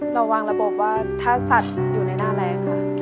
เราวางระบบว่าถ้าสัตว์อยู่ในหน้าแรงค่ะ